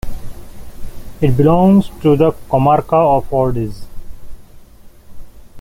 It belongs to the comarca of Ordes.